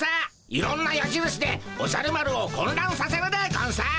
いろんなやじるしでおじゃる丸をこんらんさせるでゴンス。